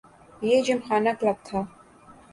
یہ Gymkhana club تھا۔